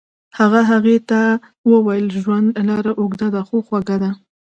هغه هغې ته وویل ژوند لاره اوږده خو خوږه ده.